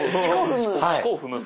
四股を踏む。